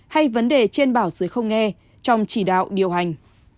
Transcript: hay vấn đề trên bảo dưới không nghe trong chỉ đạo điều hành